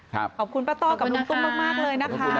ขอบคุณป้าต้อกับลุงตุ้มมากเลยนะคะ